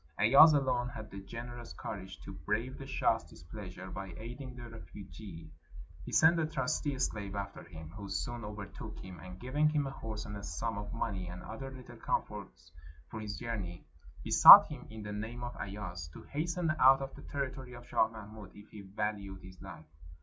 Ayaz alone had the generous courage to brave the shah's displeasure by aiding the refugee. He sent a trusty slave after him, who soon overtook him, and giving him a horse and a sum of money and other little comforts for his journey, besought him in the name of Ayaz to hasten out of the territory of Shah Mahmud if he valued his life.